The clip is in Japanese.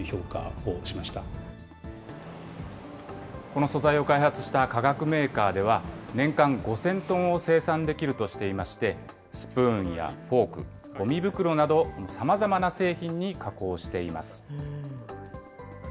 この素材を開発した化学メーカーでは、年間５０００トンを生産できるとしていまして、スプーンやフォーク、ごみ袋など、さまざまな製品に加工しています。